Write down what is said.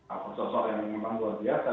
atau sosok yang memang luar biasa